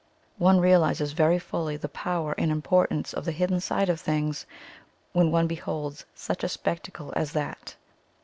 One realizes very fully the power and impor tance of the hidden side of things when one beholds such a spectacle as that.